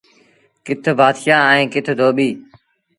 ڪٿ بآتشآه ائيٚݩ ڪٿ ڌوٻيٚ۔